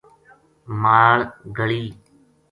مال گلی